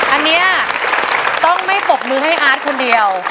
อันนี้ต้องไม่ปรบมือให้อาร์ตคนเดียว